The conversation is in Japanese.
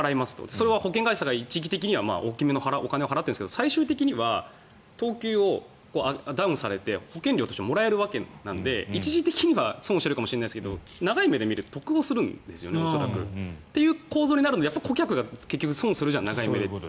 それは保険会社さんが一義的に大きめのお金を払っているんですが最終的には等級をダウンされて保険料としてもらえるわけなので一義的には損しているかもしれないけど長い目では得をするという構造になるので顧客が損するじゃん長い目で。